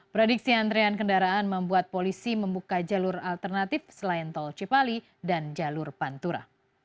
prediksi antrean kendaraan membuat polisi membuka jalur alternatif selain tol cipali dan jalur pantura